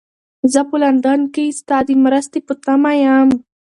زه په لندن کې ستا د مرستې په تمه یم.